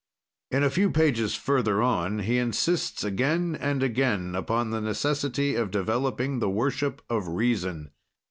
In a few pages further on he insists again and again upon the necessity of developing the worship of reason.